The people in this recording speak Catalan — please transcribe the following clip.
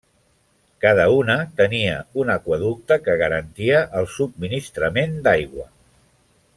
Cada una tenia un aqüeducte que garantia el subministrament d'aigua.